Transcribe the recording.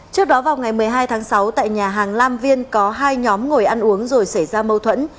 trước đó vào ngày một mươi hai tháng sáu tại nhà hàng lam viên có hai nhóm ngồi ăn uống rồi xảy ra mâu thuẫn